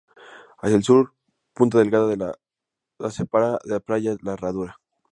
Hacia el sur punta Delgada la separa de Playa La Herradura.